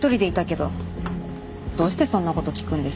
どうしてそんな事聞くんです？